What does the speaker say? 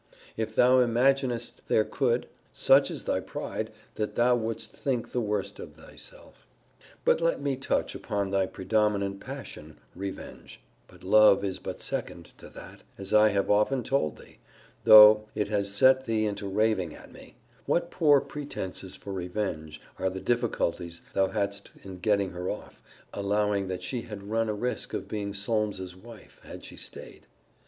If thou imaginest there could, such is thy pride, that thou wouldst think the worse of thyself. But let me touch upon thy predominant passion, revenge; for love is but second to that, as I have often told thee, though it has set thee into raving at me: what poor pretences for revenge are the difficulties thou hadst in getting her off; allowing that she had run a risque of being Solmes's wife, had she staid?